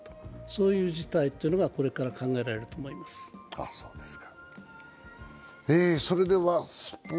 そういう事態がこれから考えられると思います。